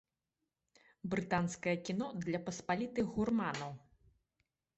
Брытанскае кіно для паспалітых гурманаў.